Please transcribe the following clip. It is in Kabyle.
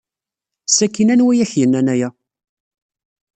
Sakkin anwa ay ak-yennan aya?